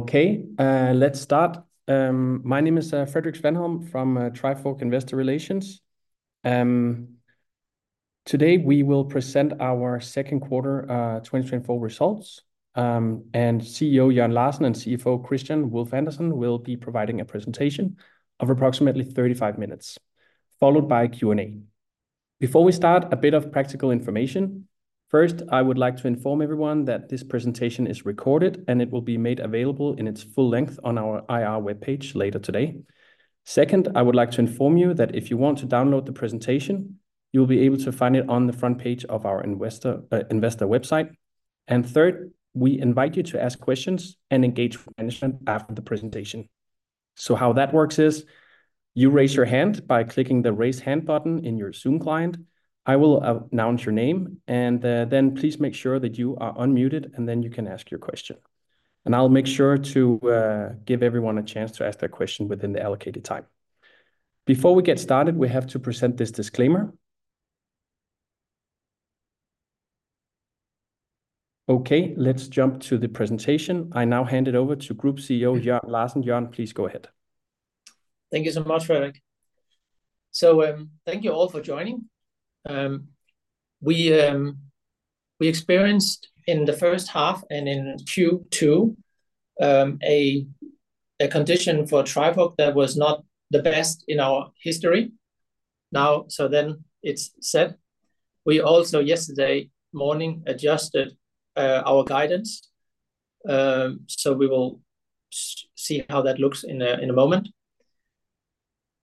Okay, let's start. My name is Frederik Svanholm from Trifork Investor Relations. Today we will present our second quarter 2024 results, and CEO Jørn Larsen and CFO Kristian Wulff Andersen will be providing a presentation of approximately 35 minutes, followed by a Q&A. Before we start, a bit of practical information. First, I would like to inform everyone that this presentation is recorded, and it will be made available in its full length on our IR webpage later today. Second, I would like to inform you that if you want to download the presentation, you'll be able to find it on the front page of our investor website. Third, we invite you to ask questions and engage with management after the presentation. So how that works is, you raise your hand by clicking the Raise Hand button in your Zoom client. I will announce your name, and then please make sure that you are unmuted, and then you can ask your question, and I'll make sure to give everyone a chance to ask their question within the allocated time. Before we get started, we have to present this disclaimer. Okay, let's jump to the presentation. I now hand it over to Group CEO Jørn Larsen. Jørn, please go ahead. Thank you so much, Frederik. So, thank you all for joining. We experienced in the first half and in Q2, a condition for Trifork that was not the best in our history. Now, so then it's said, we also yesterday morning adjusted our guidance. So we will see how that looks in a moment.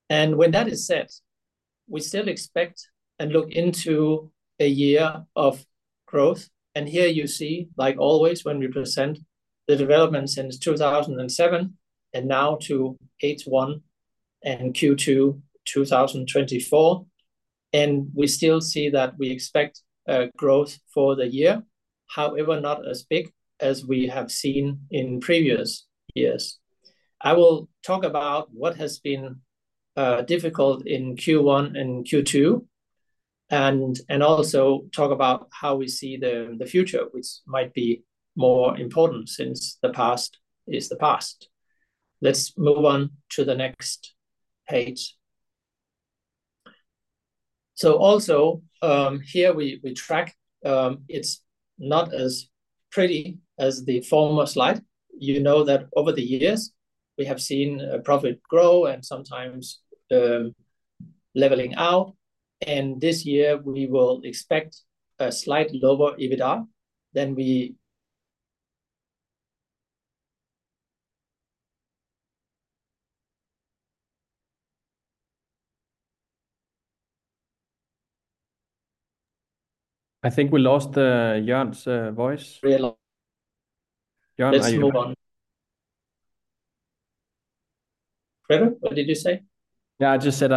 And when that is said, we still expect and look into a year of growth. And here you see, like always, when we present the developments since two thousand and seven, and now to H1 and Q2, twenty twenty-four, and we still see that we expect growth for the year, however, not as big as we have seen in previous years. I will talk about what has been difficult in Q1 and Q2, and also talk about how we see the future, which might be more important since the past is the past. Let's move on to the next page, so also, here we track... It's not as pretty as the former slide. You know that over the years, we have seen a profit grow and sometimes leveling out, and this year we will expect a slight lower EBITDA than we- I think we lost Jørn's voice. We lost- Jørn, are you- Let's move on. Frederik, what did you say? Yeah, I just said,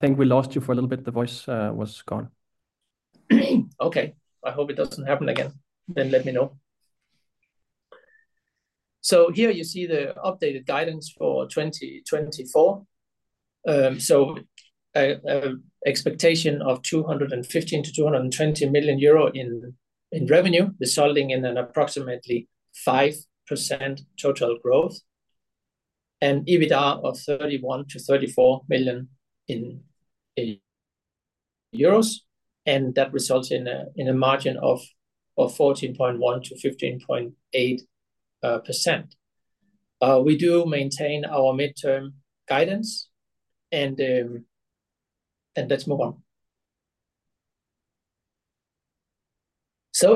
I think we lost you for a little bit. The voice was gone. Okay, I hope it doesn't happen again. Then let me know. Here you see the updated guidance for 2024. Expectation of 215-220 million euro in revenue, resulting in an approximately 5% total growth, and EBITDA of 31-34 million euros, and that results in a margin of 14.1-15.8%. We do maintain our midterm guidance. Let's move on.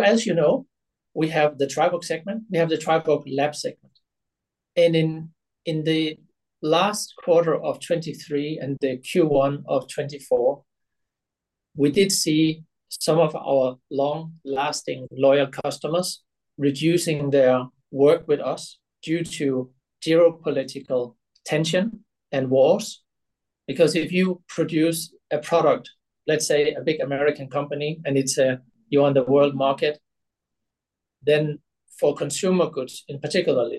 As you know, we have the Trifork segment, we have the Trifork Labs segment, and in the last quarter of 2023 and the Q1 of 2024, we did see some of our long-lasting, loyal customers reducing their work with us due to geopolitical tension and wars. Because if you produce a product, let's say a big American company, and it's you're on the world market, then for consumer goods in particular,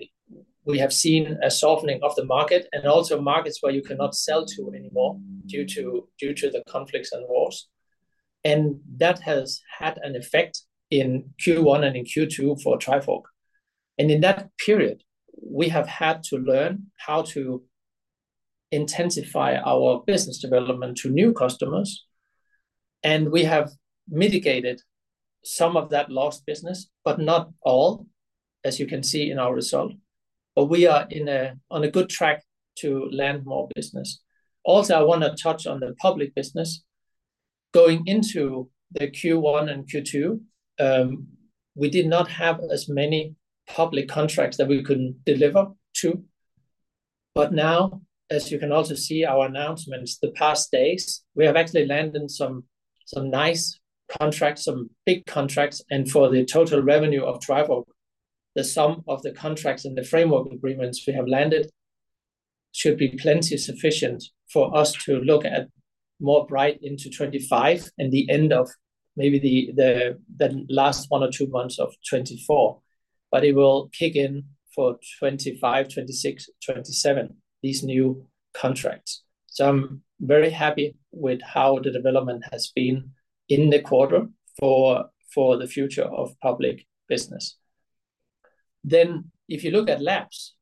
we have seen a softening of the market and also markets where you cannot sell to anymore due to the conflicts and wars. And that has had an effect in Q1 and in Q2 for Trifork. And in that period, we have had to learn how to intensify our business development to new customers, and we have mitigated some of that lost business, but not all, as you can see in our result, but we are on a good track to land more business. Also, I wanna touch on the public business. Going into the Q1 and Q2, we did not have as many public contracts that we could deliver to, but now, as you can also see our announcements the past days, we have actually landed some nice contracts, some big contracts, and for the total revenue of Trifork, the sum of the contracts and the framework agreements we have landed should be plenty sufficient for us to look at more bright into 2025 and the end of maybe the last one or two months of 2024. But it will kick in for 2025, 2026, 2027, these new contracts. So I'm very happy with how the development has been in the quarter for the future of public business. Then, if you look at Labs,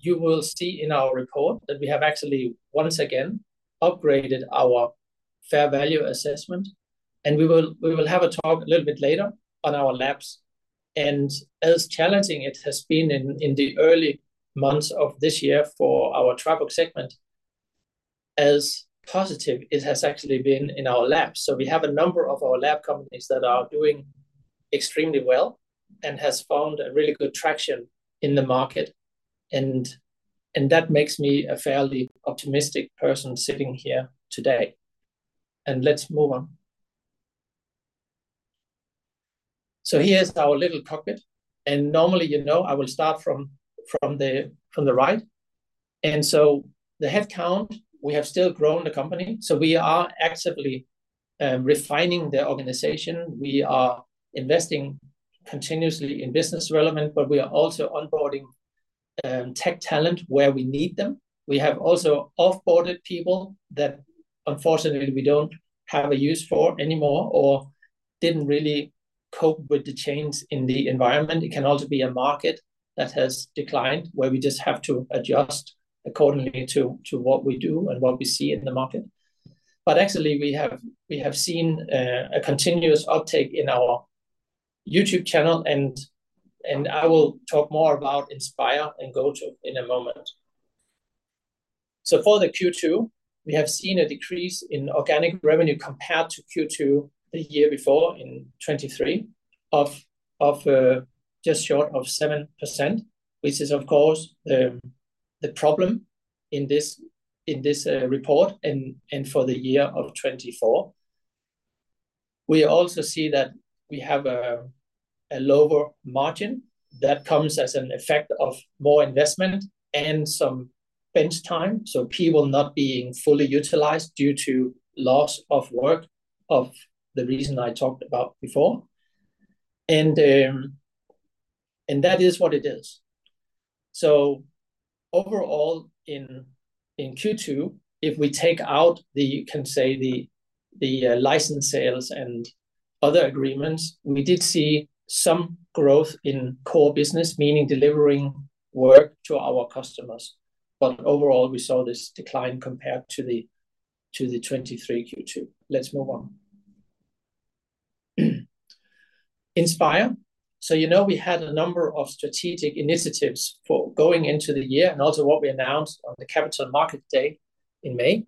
you will see in our report that we have actually, once again, upgraded our fair value assessment, and we will have a talk a little bit later on our Labs. And as challenging it has been in the early months of this year for our travel segment, as positive it has actually been in our Labs. So we have a number of our lab companies that are doing extremely well and has found a really good traction in the market, and that makes me a fairly optimistic person sitting here today. And let's move on. So here's our little cockpit, and normally, you know, I will start from the right. And so the headcount, we have still grown the company, so we are actively refining the organization. We are investing continuously in business relevant, but we are also onboarding tech talent where we need them. We have also off-boarded people that unfortunately we don't have a use for anymore or didn't really cope with the change in the environment. It can also be a market that has declined, where we just have to adjust accordingly to what we do and what we see in the market. Actually, we have seen a continuous uptake in our YouTube channel, and I will talk more about Inspire and GOTO in a moment. For the Q2, we have seen a decrease in organic revenue compared to Q2 the year before, in 2023, of just short of 7%, which is, of course, the problem in this report and for the year of 2024. We also see that we have a lower margin that comes as an effect of more investment and some bench time, so people not being fully utilized due to loss of work, of the reason I talked about before, and that is what it is. So overall, in Q2, if we take out the license sales and other agreements, we did see some growth in core business, meaning delivering work to our customers. But overall, we saw this decline compared to the 2023 Q2. Let's move on. Inspire. So, you know, we had a number of strategic initiatives for going into the year and also what we announced on the Capital Market Day in May,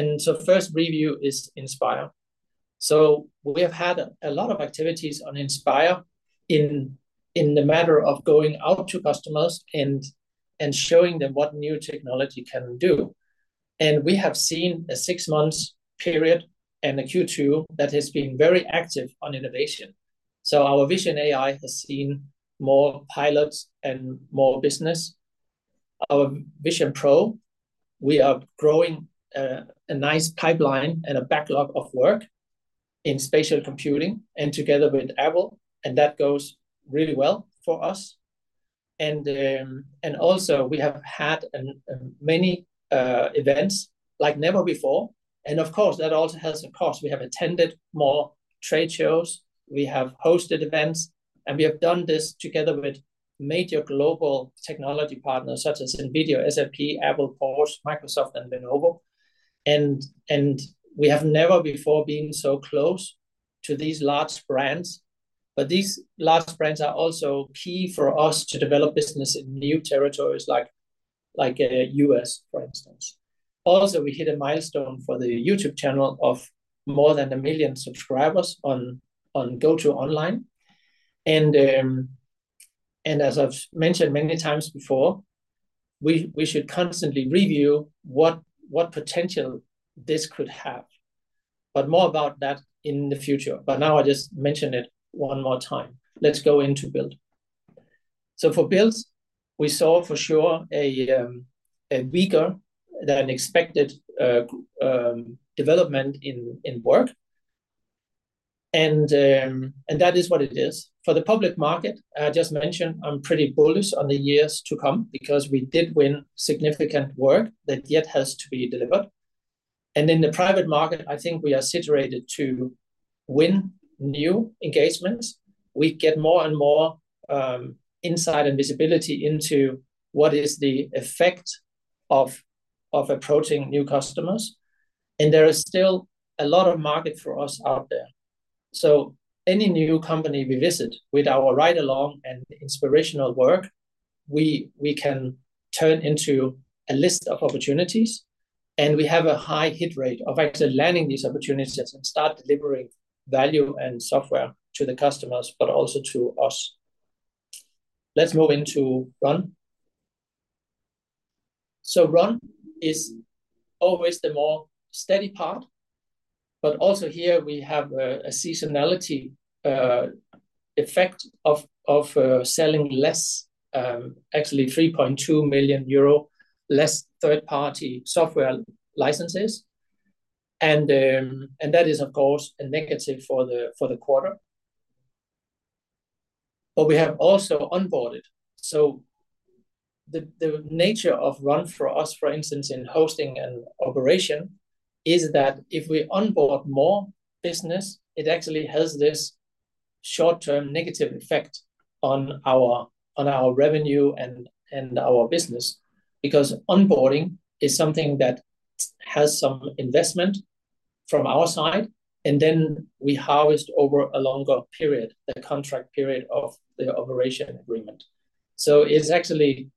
and so first review is Inspire. So we have had a lot of activities on Inspire in the matter of going out to customers and showing them what new technology can do. And we have seen a six months period and a Q2 that has been very active on innovation. So our VisionAI has seen more pilots and more business. Our Vision Pro, we are growing a nice pipeline and a backlog of work in spatial computing and together with Apple, and that goes really well for us. And also we have had many events like never before, and of course, that also has a cost. We have attended more trade shows, we have hosted events, and we have done this together with major global technology partners such as NVIDIA, SAP, Apple, Porsche, Microsoft, and Lenovo. We have never before been so close to these large brands, but these large brands are also key for us to develop business in new territories like U.S., for instance. Also, we hit a milestone for the YouTube channel of more than a million subscribers on GoTo online. And as I've mentioned many times before, we should constantly review what potential this could have, but more about that in the future. But now I just mention it one more time. Let's go into Build. So for Build, we saw for sure a weaker than expected development in work. And that is what it is. For the public market I just mentioned, I'm pretty bullish on the years to come because we did win significant work that yet has to be delivered. In the private market, I think we are situated to win new engagements. We get more and more insight and visibility into what is the effect of approaching new customers, and there is still a lot of market for us out there. Any new company we visit with our ride-along and inspirational work, we can turn into a list of opportunities, and we have a high hit rate of actually landing these opportunities and start delivering value and software to the customers, but also to us. Let's move into Run. Run is always the more steady part, but also here, we have a seasonality effect of selling less actually 3.2 million euro less third-party software licenses. That is, of course, a negative for the quarter. We have also onboarded. So the nature of Run for us, for instance, in hosting and operation, is that if we onboard more business, it actually has this short-term negative effect on our revenue and our business, because onboarding is something that has some investment from our side, and then we harvest over a longer period, the contract period of the operation agreement. So it's actually,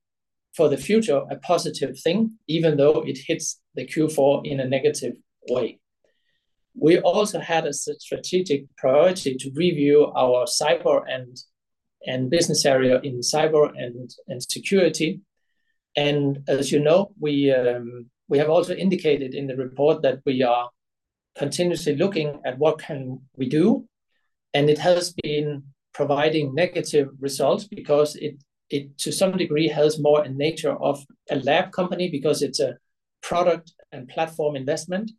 for the future, a positive thing, even though it hits the Q4 in a negative way. We also had a strategic priority to review our cyber and business area in cyber and security. And as you know, we have also indicated in the report that we are continuously looking at what can we do, and it has been providing negative results because it, to some degree, has more a nature of a lab company, because it's a product and platform investment,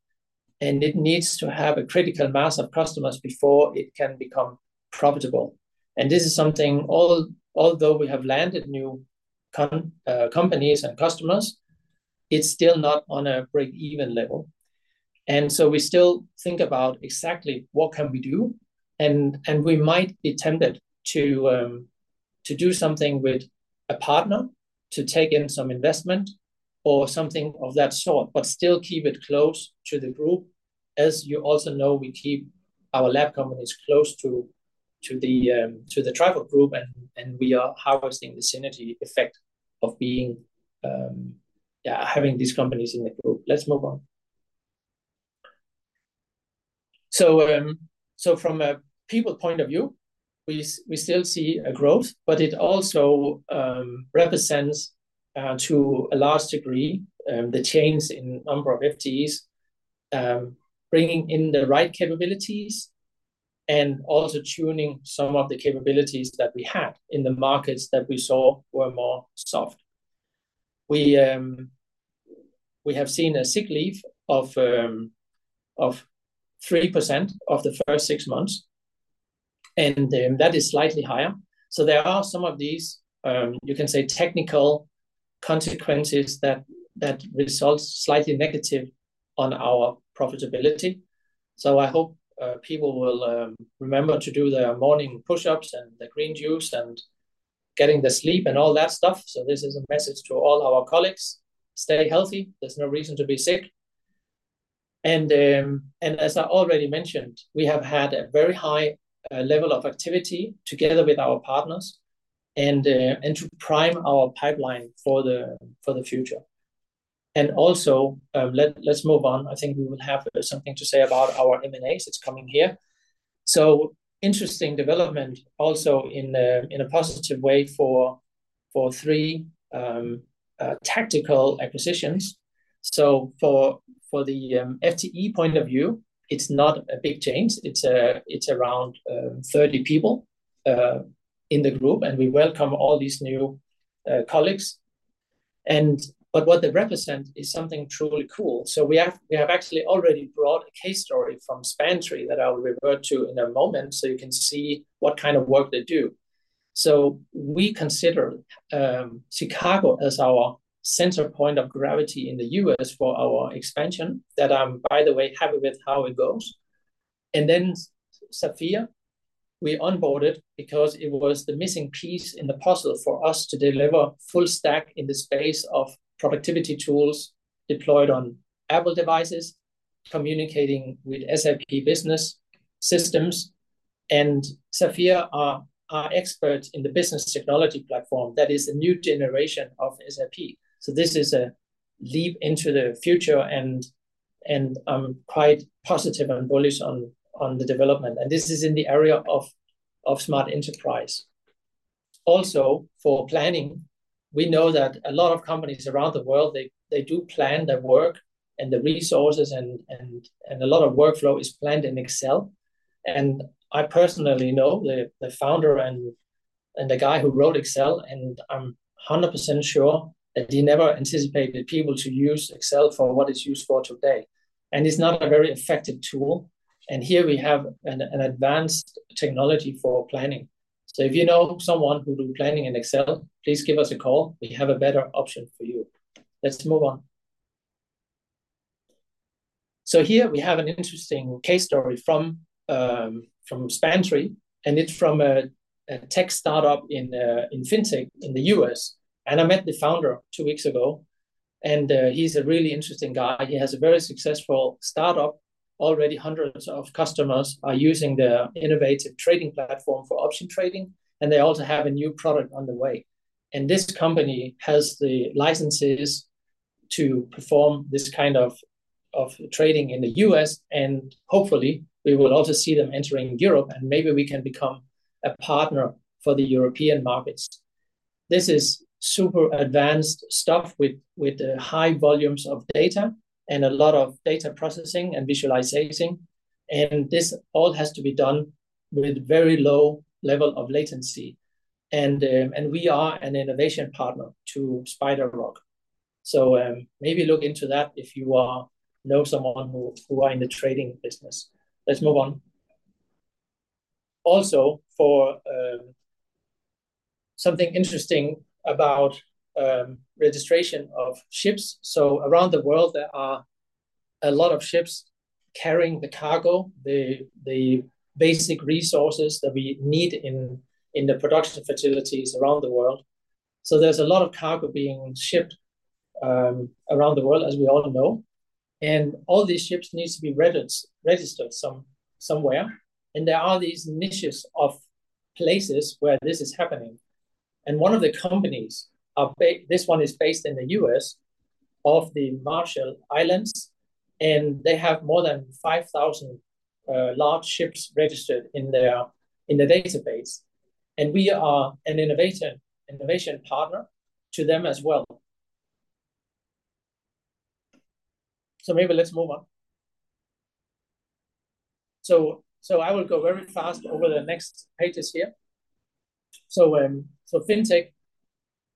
and it needs to have a critical mass of customers before it can become profitable. And this is something, although we have landed new companies and customers, it's still not on a break-even level. And so we still think about exactly what can we do, and we might be tempted to do something with a partner, to take in some investment or something of that sort, but still keep it close to the group. As you also know, we keep our lab companies close to the Trifork group, and we are harvesting the synergy effect of being. Yeah, having these companies in the group. Let's move on. So from a people point of view, we still see a growth, but it also represents to a large degree the change in number of FTEs, bringing in the right capabilities and also tuning some of the capabilities that we had in the markets that we saw were more soft. We have seen a sick leave of 3% of the first six months, and that is slightly higher. So there are some of these, you can say, technical consequences that results slightly negative on our profitability. I hope people will remember to do their morning push-ups and the green juice and getting the sleep and all that stuff. This is a message to all our colleagues: stay healthy, there's no reason to be sick. As I already mentioned, we have had a very high level of activity together with our partners and to prime our pipeline for the future. Let's move on. I think we will have something to say about our M&As. It's coming here. Interesting development also in a positive way for three tactical acquisitions. For the FTE point of view, it's not a big change. It's around 30 people in the group, and we welcome all these new colleagues. But what they represent is something truly cool. So we have actually already brought a case story from Spantree that I will refer to in a moment, so you can see what kind of work they do. So we consider Chicago as our center point of gravity in the U.S. for our expansion, that, by the way, I'm happy with how it goes. And then Vilea, we onboarded because it was the missing piece in the puzzle for us to deliver full stack in the space of productivity tools deployed on Apple devices, communicating with SAP business systems. And Vilea are our expert in the Business Technology Platform that is a new generation of SAP. So this is a leap into the future, and I'm quite positive and bullish on the development, and this is in the area of Smart Enterprise. Also, for planning, we know that a lot of companies around the world, they do plan their work and the resources, and a lot of workflow is planned in Excel. And I personally know the founder and the guy who wrote Excel, and I'm 100% sure that he never anticipated people to use Excel for what it's used for today. And it's not a very effective tool. And here we have an advanced technology for planning. So if you know someone who do planning in Excel, please give us a call. We have a better option for you. Let's move on. So here we have an interesting case story from Spantree, and it's from a tech start-up in Fintech in the US. And I met the founder two weeks ago, and he's a really interesting guy. He has a very successful start-up. Already, hundreds of customers are using their innovative trading platform for option trading, and they also have a new product on the way and this company has the licenses to perform this kind of trading in the U.S., and hopefully, we will also see them entering Europe, and maybe we can become a partner for the European markets. This is super advanced stuff with high volumes of data and a lot of data processing and visualization, and this all has to be done with very low level of latency and we are an innovation partner to SpiderRock so maybe look into that if you know someone who are in the trading business. Let's move on. Also, something interesting about registration of ships. Around the world, there are a lot of ships carrying the cargo, the basic resources that we need in the production facilities around the world. There's a lot of cargo being shipped around the world, as we all know, and all these ships needs to be registered somewhere, and there are these niches of places where this is happening. One of the companies, this one is based in the U.S., of the Marshall Islands, and they have more than 5,000 large ships registered in their database. We are an innovation partner to them as well. Maybe let's move on. I will go very fast over the next pages here. Fintech,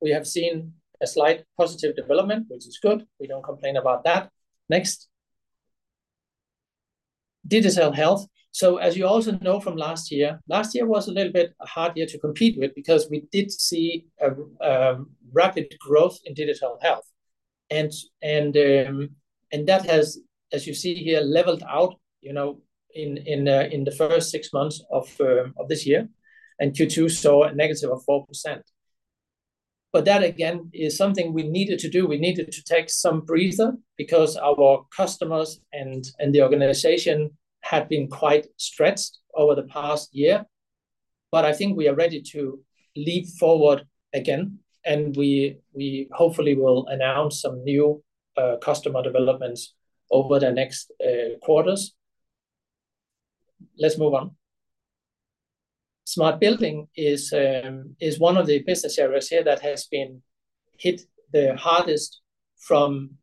we have seen a slight positive development, which is good. We don't complain about that. Next. Digital Health. As you also know from last year, last year was a little bit harder to compete with because we did see a rapid growth in Digital Health. That has, as you see here, leveled out, you know, in the first six months of this year, and Q2 saw a negative of 4%. That, again, is something we needed to do. We needed to take some breather because our customers and the organization had been quite stretched over the past year. I think we are ready to leap forward again, and we hopefully will announce some new customer developments over the next quarters. Let's move on. Smart Building is one of the business areas here that has been hit the hardest from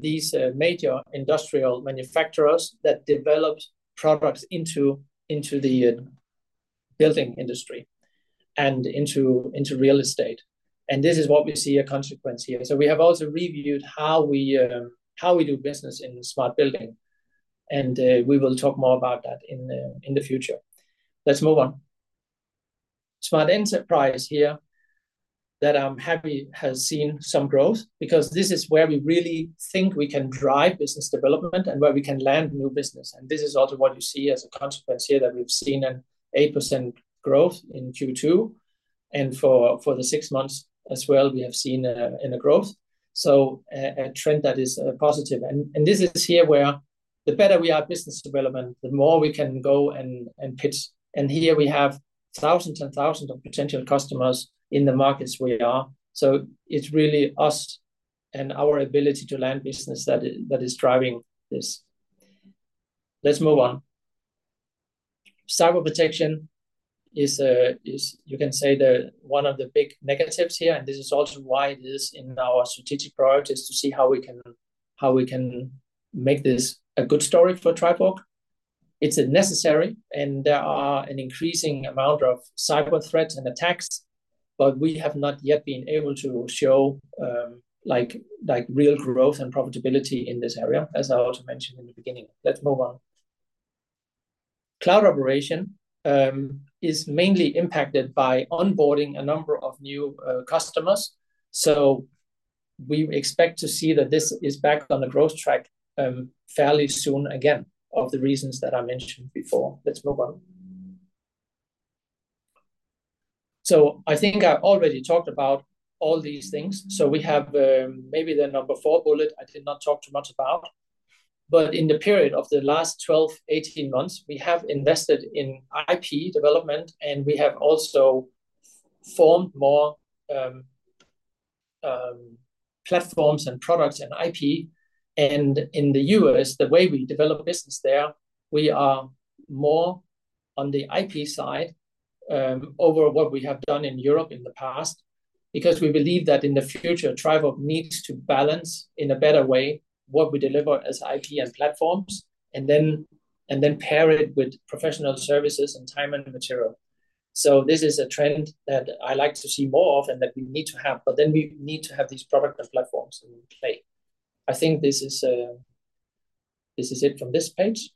these major industrial manufacturers that developed products into the building industry and into real estate. And this is what we see a consequence here. So we have also reviewed how we do business in Smart Building, and we will talk more about that in the future. Let's move on. Smart Enterprise here, that I'm happy has seen some growth, because this is where we really think we can drive business development and where we can land new business. And this is also what you see as a consequence here, that we've seen an 8% growth in Q2. And for the six months as well, we have seen in the growth. So, a trend that is positive. And this is here where the better we are at business development, the more we can go and pitch. And here we have thousands and thousands of potential customers in the markets we are. So it's really us and our ability to land business that is driving this. Let's move on. Cyber Protection is, you can say, one of the big negatives here, and this is also why it is in our strategic priorities to see how we can make this a good story for Trifork. It's necessary, and there are an increasing amount of cyber threats and attacks, but we have not yet been able to show like real growth and profitability in this area, as I also mentioned in the beginning. Let's move on. Cloud Operation is mainly impacted by onboarding a number of new customers. So we expect to see that this is back on the growth track fairly soon again, of the reasons that I mentioned before. Let's move on. So I think I've already talked about all these things. So we have maybe the number four bullet I did not talk too much about, but in the period of the last twelve, eighteen months, we have invested in IP development, and we have also formed more platforms and products in IP. And in the U.S., the way we develop business there, we are more on the IP side over what we have done in Europe in the past. Because we believe that in the future, Trifork needs to balance in a better way what we deliver as IP and platforms, and then pair it with professional services and time and material. So this is a trend that I like to see more of and that we need to have, but then we need to have these product and platforms in play. I think this is, this is it from this page.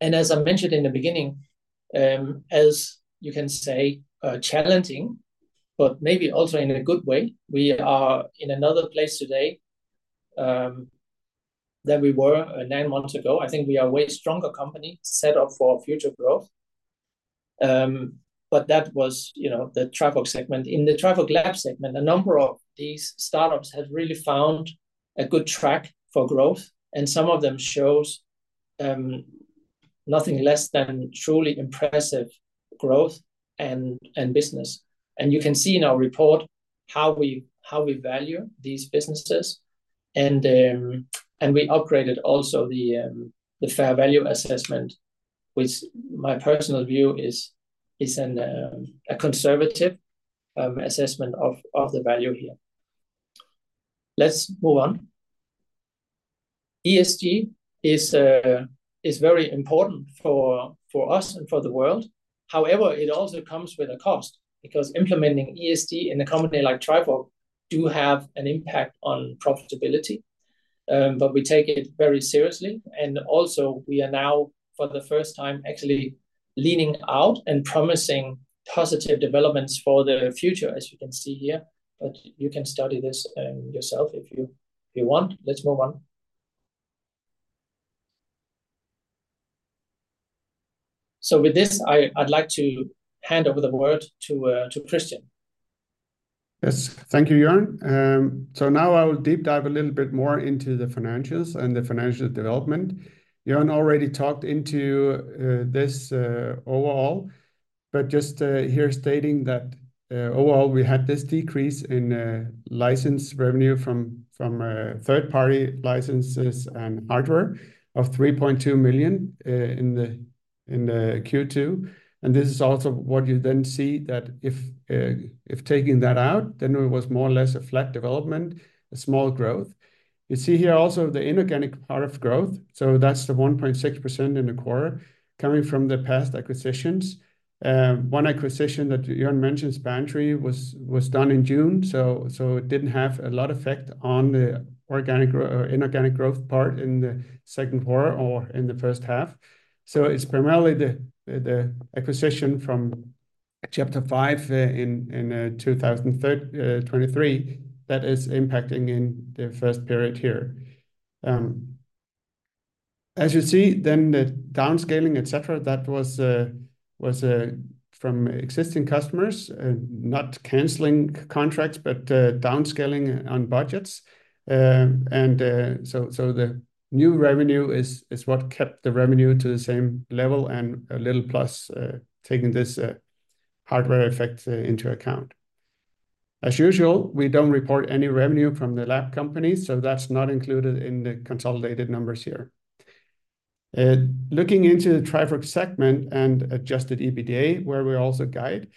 And as I mentioned in the beginning, as you can see, challenging, but maybe also in a good way, we are in another place today, than we were nine months ago. I think we are way stronger company set up for future growth. But that was, you know, the Trifork segment. In the Trifork Labs segment, a number of these startups have really found a good track for growth, and some of them shows nothing less than truly impressive growth and business. And you can see in our report how we value these businesses. And we upgraded also the fair value assessment, which my personal view is a conservative assessment of the value here. Let's move on. ESG is very important for us and for the world. However, it also comes with a cost, because implementing ESG in a company like Trifork do have an impact on profitability. But we take it very seriously, and also we are now, for the first time, actually leaning out and promising positive developments for the future, as you can see here. But you can study this yourself if you want. Let's move on. So with this, I'd like to hand over the word to Kristian. Yes. Thank you, Jørn. So now I will deep dive a little bit more into the financials and the financial development. Jørn already talked into this overall, but just here stating that overall, we had this decrease in license revenue from third-party licenses and hardware of 3.2 million in the Q2. This is also what you then see, that if taking that out, then it was more or less a flat development, a small growth. You see here also the inorganic part of growth, so that's the 1.6% in the quarter coming from the past acquisitions. One acquisition that Jørn mentioned, Spantree, was done in June, so it didn't have a lot of effect on the inorganic growth part in the second quarter or in the first half. It's primarily the acquisition from Chapter 5 in 2023 that is impacting in the first period here. As you see, then the downscaling, et cetera, that was from existing customers, not canceling contracts, but downscaling on budgets, and so the new revenue is what kept the revenue to the same level, and a little plus, taking this hardware effect into account. As usual, we don't report any revenue from the lab company, so that's not included in the consolidated numbers here. Looking into the Trifork segment and adjusted EBITDA, where we also guide,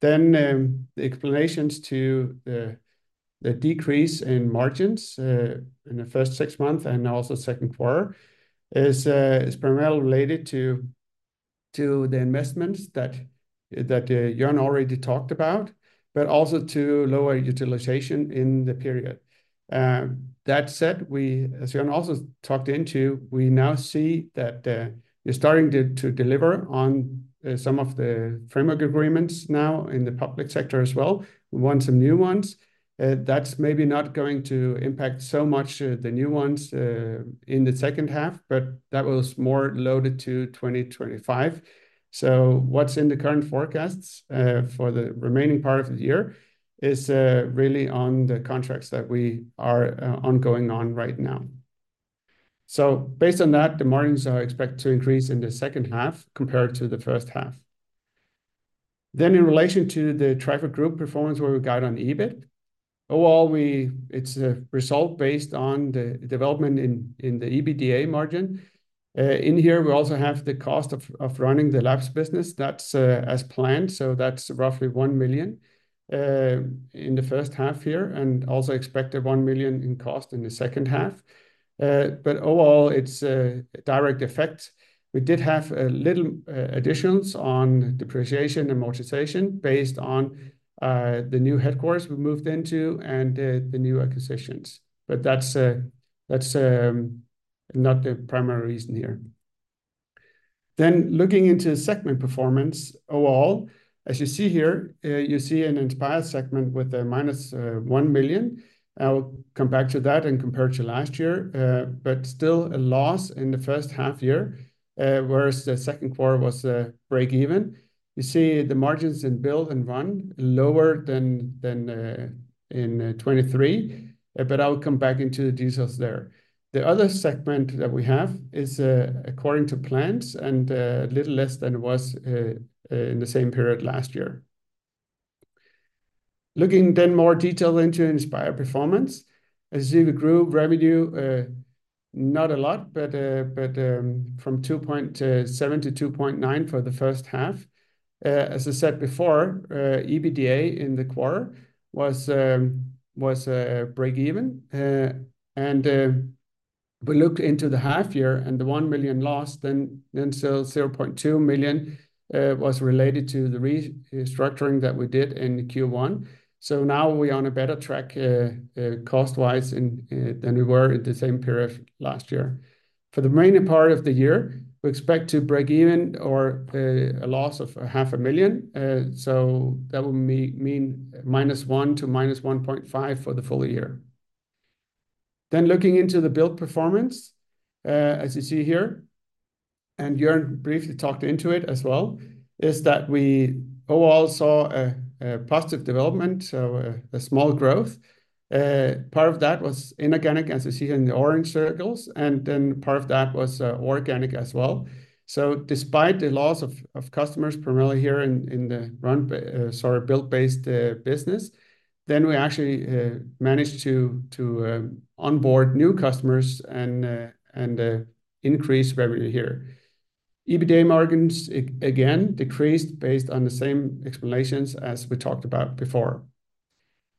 then, the explanations to the decrease in margins in the first six months and also second quarter, is primarily related to the investments that Jørn already talked about, but also to lower utilization in the period. That said, we, as Jørn also talked about, we now see that you're starting to deliver on some of the framework agreements now in the public sector as well. We won some new ones. That's maybe not going to impact so much the new ones in the second half, but that was more loaded to 2025. So what's in the current forecasts for the remaining part of the year is really on the contracts that we are ongoing on right now. Based on that, the margins are expected to increase in the second half compared to the first half. In relation to the Trifork Group performance, where we guide on EBIT, overall, it's a result based on the development in the EBITDA margin. In here, we also have the cost of running the Labs business. That's as planned, so that's roughly one million in the first half here, and also expect a one million in cost in the second half. But overall, it's a direct effect. We did have a little additions on depreciation amortization based on the new headquarters we moved into and the new acquisitions, but that's not the primary reason here. Looking into segment performance overall, as you see here, you see an Inspire segment with a minus one million. I'll come back to that and compare to last year, but still a loss in the first half year, whereas the second quarter was a break even. You see the margins in Build and Run lower than in 2023, but I will come back into the details there. The other segment that we have is according to plans and a little less than it was in the same period last year. Looking then more detail into Inspire performance, as you see, we grew revenue, not a lot, but from 2.7 to 2.9 for the first half. As I said before, EBITDA in the quarter was break even. We looked into the half year, and the 1 million loss. Then 0.2 million was related to the restructuring that we did in Q1. So now we're on a better track cost-wise than we were at the same period last year. For the remaining part of the year, we expect to break even or a loss of 0.5 million, so that will mean minus 1 million to minus 1.5 million for the full year. Looking into the build performance, as you see here, and Jørn briefly talked into it as well, we overall saw a positive development, so a small growth. Part of that was inorganic, as you see in the orange circles, and then part of that was organic as well. So despite the loss of customers, primarily here in the Build-based business, then we actually managed to onboard new customers and increase revenue here. EBITDA margins again decreased based on the same explanations as we talked about before.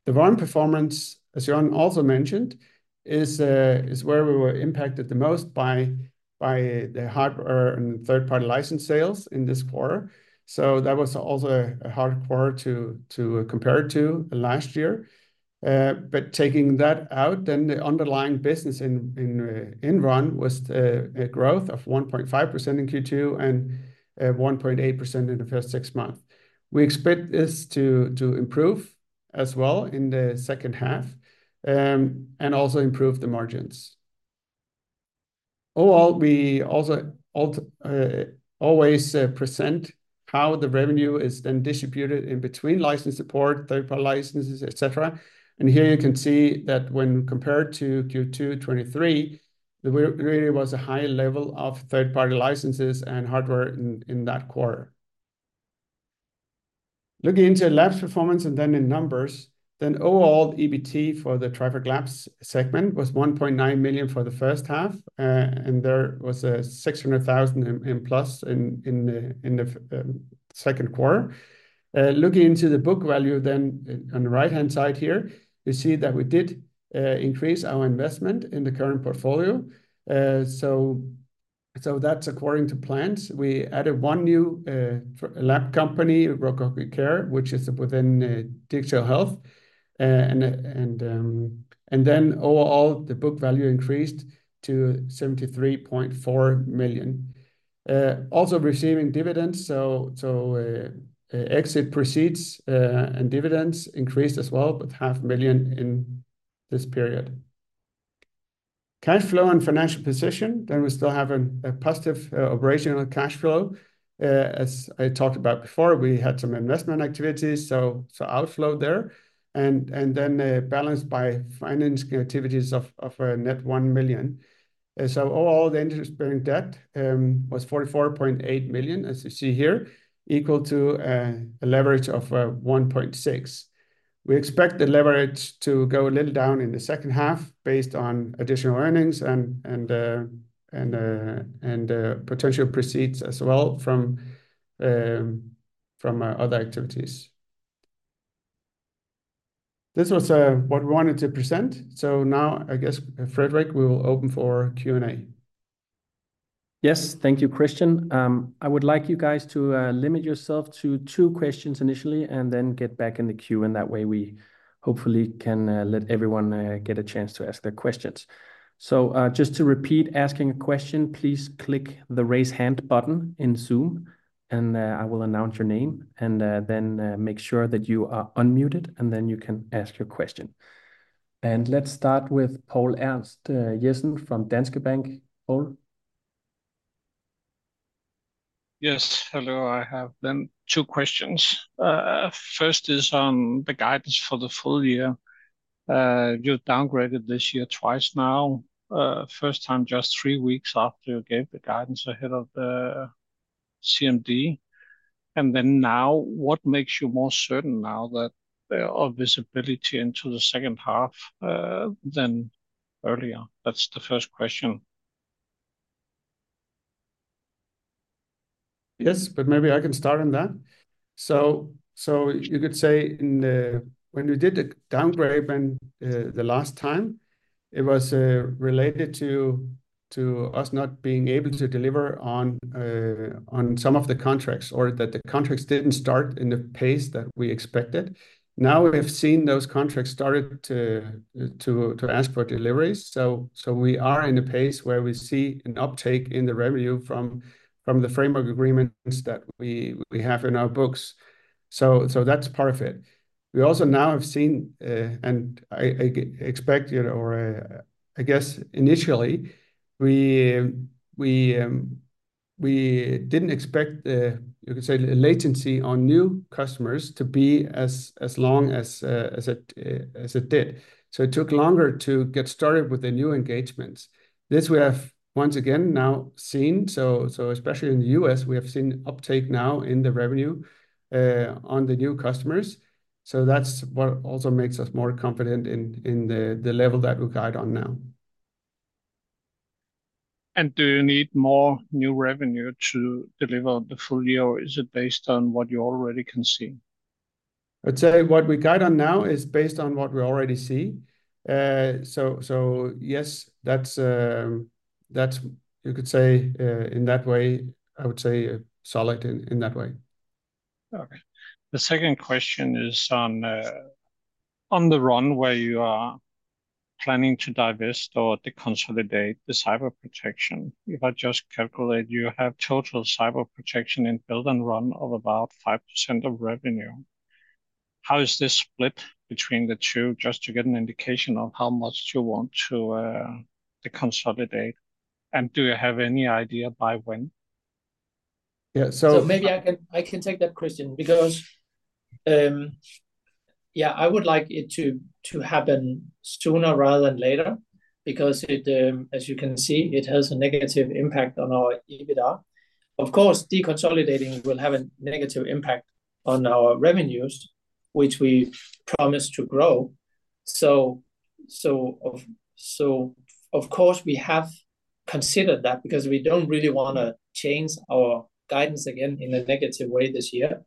The Run performance, as Jørn also mentioned, is where we were impacted the most by the hard-earned third-party license sales in this quarter. So that was also a hard quarter to compare it to last year. But taking that out, then the underlying business in Run was a growth of 1.5% in Q2 and 1.8% in the first six months. We expect this to improve as well in the second half and also improve the margins. Overall, we also always present how the revenue is then distributed in between license support, third-party licenses, et cetera. Here you can see that when compared to Q2 2023, there really was a high level of third-party licenses and hardware in that quarter. Looking into Labs' performance and then in numbers, then overall, EBITDA for the Trifork Labs segment was 1.9 million for the first half. And there was a 600,000 increase in the second quarter. Looking into the book value then on the right-hand side here, you see that we did increase our investment in the current portfolio. So that's according to plans. We added one new lab company, ROPCA, which is within digital health. Overall, the book value increased to 73.4 million. Also receiving dividends, exit proceeds and dividends increased as well, with 0.5 million in this period. Cash flow and financial position, then we still have a positive operational cash flow. As I talked about before, we had some investment activities, so outflow there, and then balanced by financing activities of a net 1 million. So overall, the interest-bearing debt was 44.8 million, as you see here, equal to a leverage of 1.6. We expect the leverage to go a little down in the second half, based on additional earnings and potential proceeds as well from other activities. This was what we wanted to present, so now I guess, Frederik, we will open for Q&A. Yes, thank you, Kristian. I would like you guys to limit yourself to two questions initially, and then get back in the queue, and that way we hopefully can let everyone get a chance to ask their questions. So, just to repeat, asking a question, please click the Raise Hand button in Zoom, and I will announce your name, and then make sure that you are unmuted, and then you can ask your question, and let's start with Poul Ernst Jessen from Danske Bank. Poul? Yes. Hello, I have then two questions. First is on the guidance for the full year. You've downgraded this year twice now. First time just three weeks after you gave the guidance ahead of the CMD. And then now, what makes you more certain now that there are visibility into the second half, than earlier? That's the first question. Yes, but maybe I can start on that. So you could say in the- when we did the downgrade and the last time, it was related to us not being able to deliver on some of the contracts, or that the contracts didn't start in the pace that we expected. Now, we've seen those contracts started to ask for deliveries, so we are in a pace where we see an uptake in the revenue from the framework agreements that we have in our books. So that's part of it. We also now have seen, and I expect it or I guess initially, we didn't expect the, you could say, latency on new customers to be as long as it did. So it took longer to get started with the new engagements. This we have once again now seen, so especially in the US, we have seen uptake now in the revenue on the new customers. So that's what also makes us more confident in the level that we guide on now. Do you need more new revenue to deliver the full year, or is it based on what you already can see? I'd say what we guide on now is based on what we already see, so yes, that's. You could say in that way. I would say solid in that way. Okay. The second question is on the Run, where you are planning to divest or to consolidate the cyber protection. If I just calculate, you have total cyber protection in Build and Run of about 5% of revenue. How is this split between the two, just to get an indication of how much you want to consolidate? And do you have any idea by when? Yeah, so- So maybe I can take that question because yeah, I would like it to happen sooner rather than later because it, as you can see, it has a negative impact on our EBITDA. Of course, deconsolidating will have a negative impact on our revenues, which we promised to grow. So of course we have considered that, because we don't really wanna change our guidance again in a negative way this year.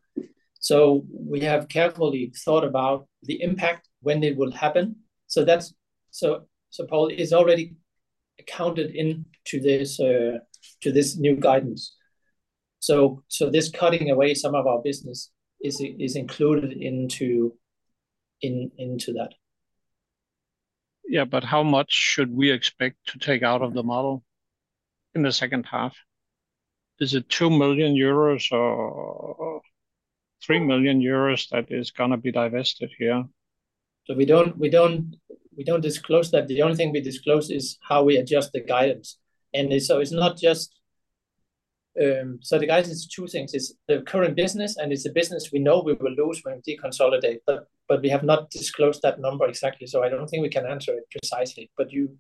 So we have carefully thought about the impact when it will happen. So that's, Poul, it's already counted into this new guidance. So this cutting away some of our business is included into that. Yeah, but how much should we expect to take out of the model in the second half? Is it 2 million euros or 3 million euros that is gonna be divested here? So we don't disclose that. The only thing we disclose is how we adjust the guidance. And so it's not just. So the guidance is two things, it's the current business, and it's the business we know we will lose when we deconsolidate, but we have not disclosed that number exactly, so I don't think we can answer it precisely. But you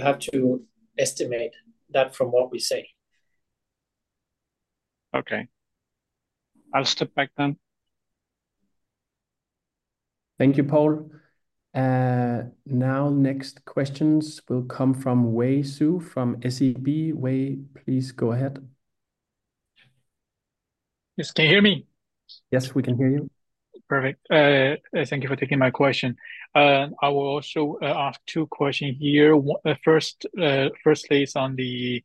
have to estimate that from what we say. Okay. I'll step back then. Thank you, Poul. Now next questions will come from Wei Xu from SEB. Wei, please go ahead. Yes, can you hear me? Yes, we can hear you. Perfect. Thank you for taking my question. I will also ask two question here. One, first, firstly is on the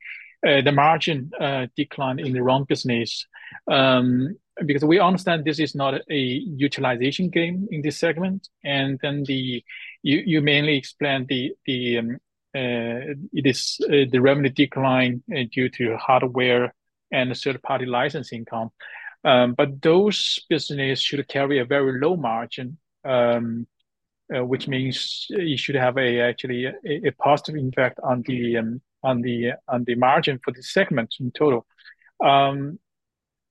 margin decline in the Run business. Because we understand this is not a utilization game in this segment, and then the... You mainly explained the, it is the revenue decline due to hardware and a third-party license income. But those business should carry a very low margin, which means it should have actually a positive impact on the margin for the segment in total.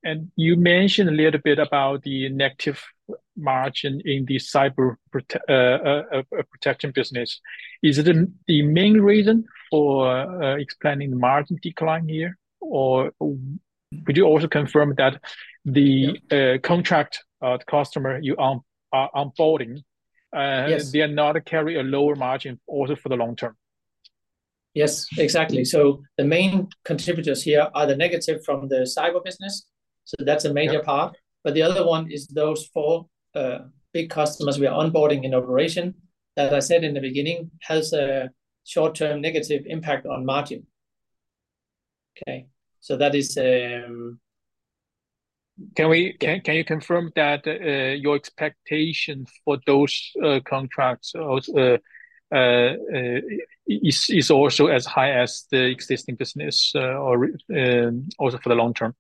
And you mentioned a little bit about the negative margin in the cyber protection business. Is it the main reason for explaining the margin decline here, or would you also confirm that the- Yeah... contract, customer you are onboarding, Yes... they are not carry a lower margin also for the long term? Yes, exactly, so the main contributors here are the negative from the cyber business, so that's a major part. Yeah. But the other one is those four big customers we are onboarding in operation. As I said in the beginning, has a short-term negative impact on margin. Okay, so that is, Can you confirm that your expectations for those is also as high as the existing business or also for the long term?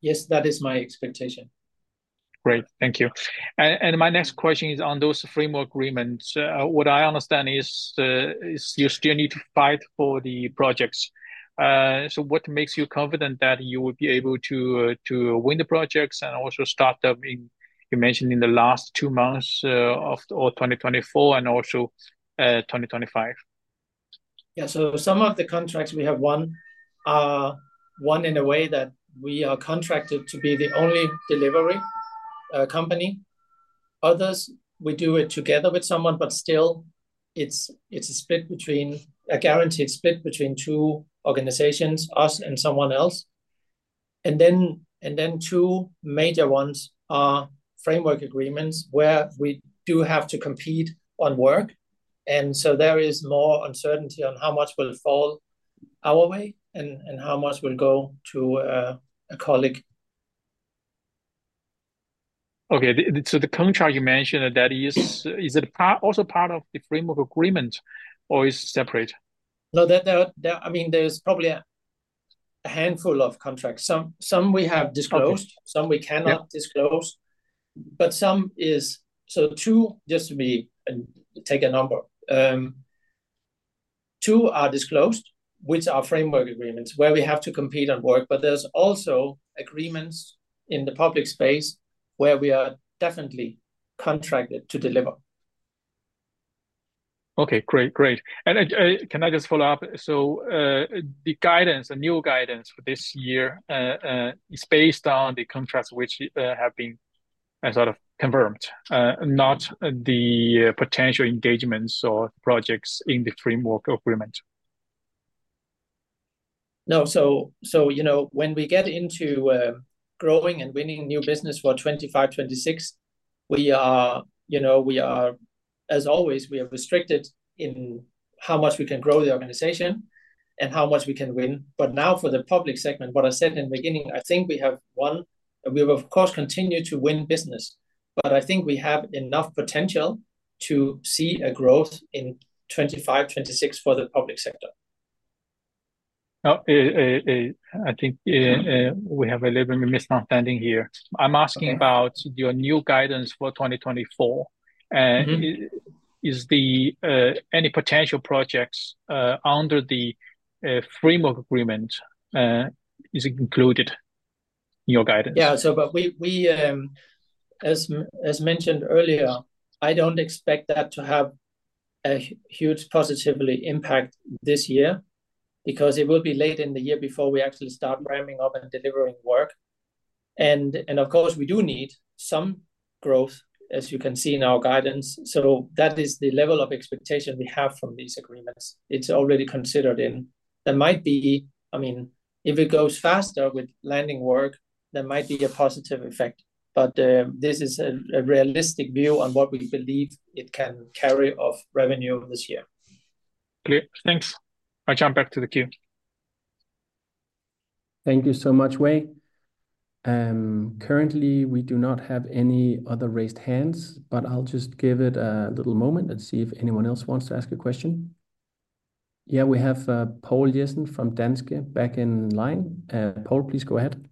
Yes, that is my expectation. Great, thank you. And my next question is on those framework agreements. What I understand is you still need to fight for the projects. So what makes you confident that you will be able to win the projects and also start up in you mentioned in the last two months of all 2024 and also 2025? Yeah, so some of the contracts we have won are won in a way that we are contracted to be the only delivery company. Others, we do it together with someone, but still, it's a split between a guaranteed split between two organizations, us and someone else. And then two major ones are framework agreements, where we do have to compete on work, and so there is more uncertainty on how much will fall our way and how much will go to a colleague. Okay, so the contract you mentioned, is it also part of the framework agreement, or it's separate? No, there, I mean, there's probably a handful of contracts. Some we have disclosed- Okay... some we cannot disclose. Yeah. But some is, so two, just to be, take a number. Two are disclosed, which are framework agreements, where we have to compete on work, but there's also agreements in the public space where we are definitely contracted to deliver. Okay, great. Great, and can I just follow up? So, the guidance, the new guidance for this year, is based on the contracts which have been sort of confirmed, not the potential engagements or projects in the framework agreement? No, so, so, you know, when we get into growing and winning new business for 2025, 2026, we are, you know, we are, as always, we are restricted in how much we can grow the organization and how much we can win. But now for the public segment, what I said in the beginning, I think we have won, and we of course continue to win business, but I think we have enough potential to see a growth in 2025, 2026 for the public sector. Now, I think we have a little bit misunderstanding here. Okay. I'm asking about your new guidance for 2024. Mm-hmm. Is there any potential projects under the framework agreement included in your guidance? Yeah, so but we, as mentioned earlier, I don't expect that to have a huge positive impact this year, because it will be late in the year before we actually start ramping up and delivering work. And of course, we do need some growth, as you can see in our guidance. So that is the level of expectation we have from these agreements. It's already considered in. There might be, I mean, if it goes faster with landing work, there might be a positive effect. But this is a realistic view on what we believe it can carry of revenue this year. Clear. Thanks. I jump back to the queue. Thank you so much, Wei. Currently, we do not have any other raised hands, but I'll just give it a little moment and see if anyone else wants to ask a question. Yeah, we have Poul Jessen from Danske Bank back in line. Poul, please go ahead.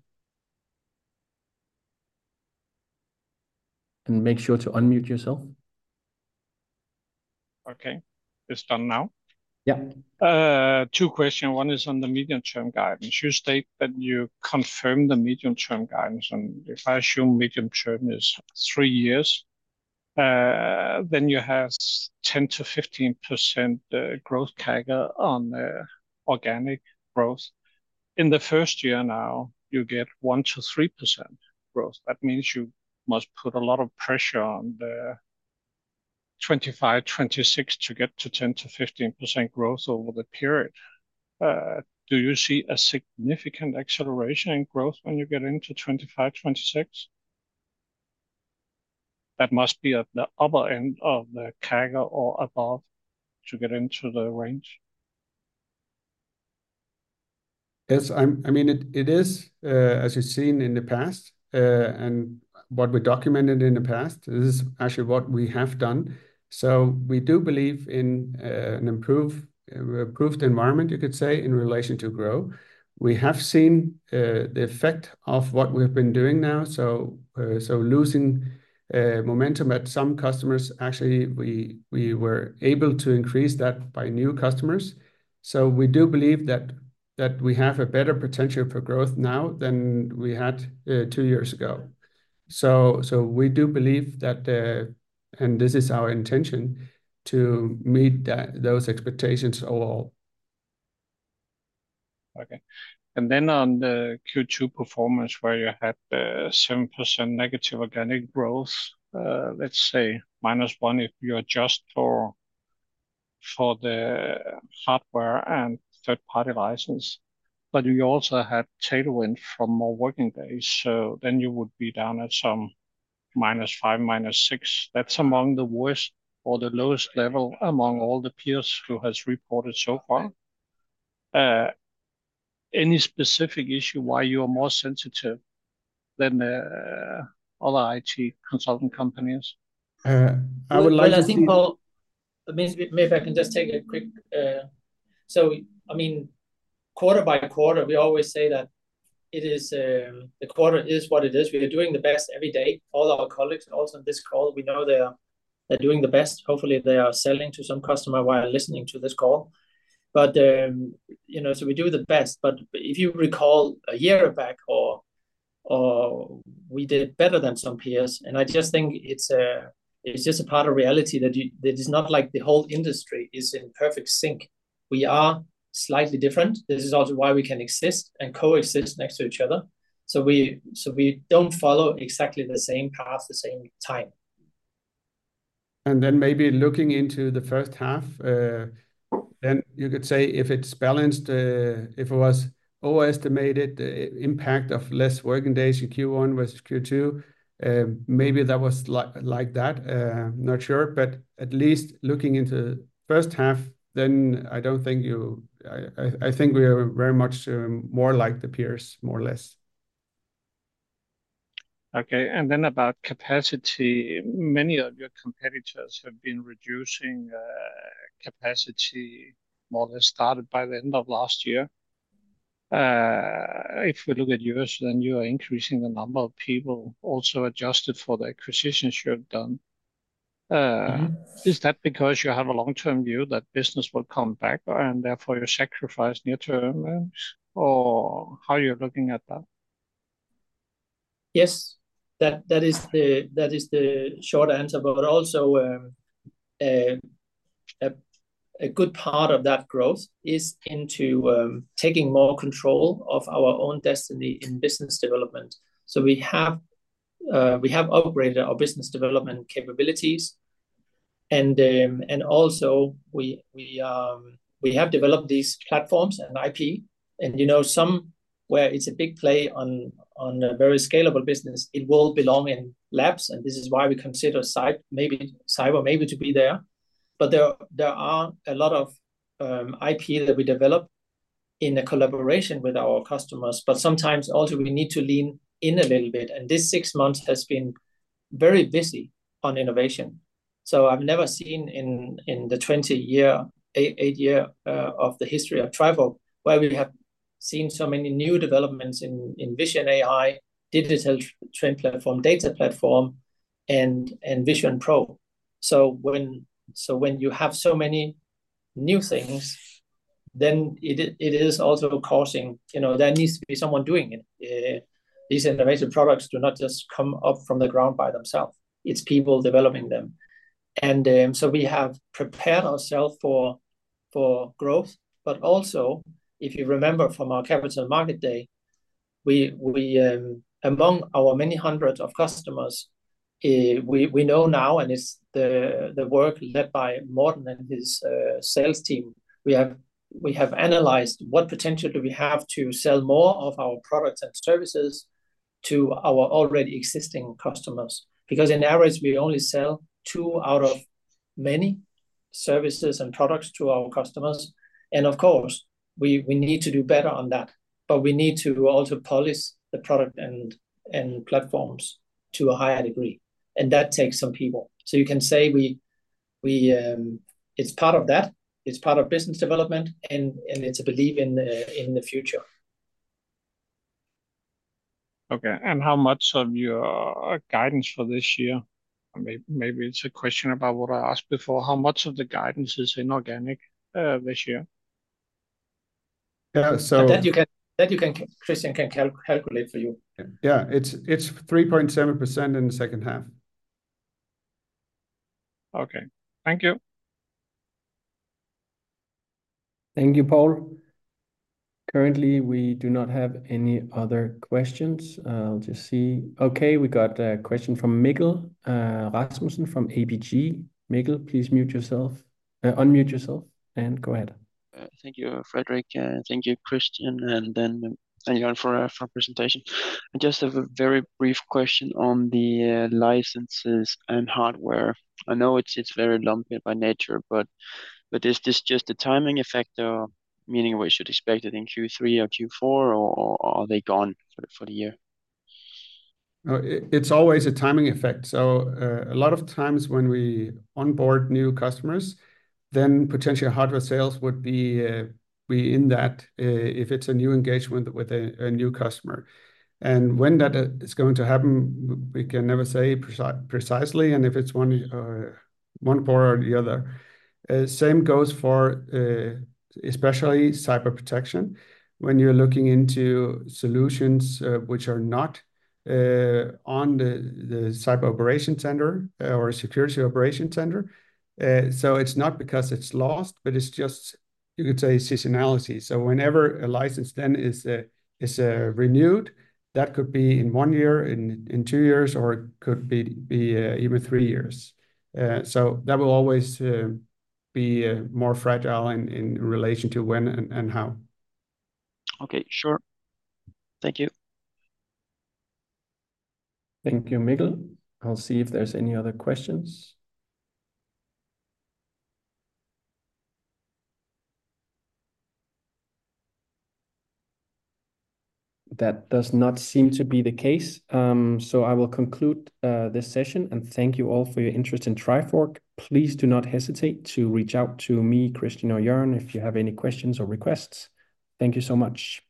And make sure to unmute yourself. Okay, it's done now? Yeah. Two questions. One is on the medium-term guidance. You state that you confirm the medium-term guidance, and if I assume medium-term is three years, then you have 10-15% growth CAGR on organic growth. In the first year now, you get 1-3% growth. That means you must put a lot of pressure on the 2025, 2026 to get to 10-15% growth over the period. Do you see a significant acceleration in growth when you get into 2025, 2026? That must be at the upper end of the CAGR or above to get into the range. Yes, I mean, it is, as you've seen in the past, and what we documented in the past, this is actually what we have done. So we do believe in an improved environment, you could say, in relation to grow. We have seen the effect of what we've been doing now, so losing momentum at some customers, actually, we were able to increase that by new customers. So we do believe that we have a better potential for growth now than we had two years ago. So we do believe that, and this is our intention, to meet those expectations overall. Okay. And then on the Q2 performance, where you had 7% negative organic growth, let's say minus 1% if you adjust for the hardware and third-party license. But you also had tailwind from more working days, so then you would be down at some minus 5, minus 6. That's among the worst or the lowest level among all the peers who has reported so far. Any specific issue why you are more sensitive than other IT consulting companies? I would like to see- I think, Poul, maybe if I can just take a quick. So I mean, quarter by quarter, we always say that it is, the quarter is what it is. We are doing the best every day. All our colleagues, also on this call, we know they are, they're doing the best. Hopefully, they are selling to some customer while listening to this call. But, you know, so we do the best. But if you recall a year back or we did better than some peers, and I just think it's, it's just a part of reality that it is not like the whole industry is in perfect sync. We are slightly different. This is also why we can exist and coexist next to each other. So we don't follow exactly the same path, the same time. And then maybe looking into the first half, then you could say if it's balanced, if it was overestimated, the impact of less working days in Q1 versus Q2, maybe that was like that. Not sure, but at least looking into first half, then I don't think you... I think we are very much more like the peers, more or less. Okay, and then about capacity. Many of your competitors have been reducing capacity, more or less, started by the end of last year. If we look at yours, then you are increasing the number of people also adjusted for the acquisitions you have done. Mm-hmm... is that because you have a long-term view that business will come back, and therefore you sacrifice near-term earnings? Or how are you looking at that? Yes. That is the short answer, but also a good part of that growth is into taking more control of our own destiny in business development, so we have upgraded our business development capabilities, and also we have developed these platforms and IP, and you know, somewhere it's a big play on a very scalable business, it will belong in Labs, and this is why we consider cyber to be there, but there are a lot of IP that we develop in a collaboration with our customers, but sometimes also we need to lean in a little bit, and this six months has been very busy on innovation. So I've never seen in the eight-year history of Trifork where we have seen so many new developments in Vision AI, digital twin platform, data platform, and Vision Pro. So when you have so many new things, then it is also causing, you know, there needs to be someone doing it. These innovative products do not just come up from the ground by themselves, it's people developing them. And so we have prepared ourselves for... for growth, but also, if you remember from our capital market day, among our many hundreds of customers, we know now, and it's the work led by Morten and his sales team, we have analyzed what potential do we have to sell more of our products and services to our already existing customers. Because in areas, we only sell two out of many services and products to our customers, and of course, we need to do better on that, but we need to also polish the product and platforms to a higher degree, and that takes some people. So you can say we. It's part of that, it's part of business development, and it's a belief in the future. Okay, and how much of your guidance for this year, maybe, maybe it's a question about what I asked before, how much of the guidance is inorganic, this year? Yeah, so- Kristian can calculate for you. Yeah, it's 3.7% in the second half. Okay. Thank you. Thank you, Poul. Currently, we do not have any other questions. I'll just see. Okay, we got a question from Mikkel Rasmussen from ABG. Mikkel, please mute yourself, unmute yourself, and go ahead. Thank you, Frederik, and thank you, Kristian, and then thank you Jørn for presentation. I just have a very brief question on the licenses and hardware. I know it's very lumpy by nature, but is this just a timing effect, or meaning we should expect it in Q3 or Q4, or are they gone for the year? It's always a timing effect, so a lot of times when we onboard new customers, then potentially hardware sales would be in that if it's a new engagement with a new customer, and when that is going to happen, we can never say precisely, and if it's one or the other. Same goes for especially Cyber Protection. When you're looking into solutions which are not on the cyber operation center or security operation center, so it's not because it's lost, but it's just, you could say, seasonality, so whenever a license then is renewed, that could be in one year, in two years, or it could be even three years. So that will always be more fragile in relation to when and how. Okay, sure. Thank you. Thank you, Mikkel. I'll see if there's any other questions. That does not seem to be the case, so I will conclude this session, and thank you all for your interest in Trifork. Please do not hesitate to reach out to me, Kristian, or Jørn if you have any questions or requests. Thank you so much.